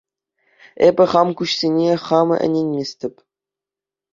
Эпӗ хам куҫсене хам ӗненместӗп.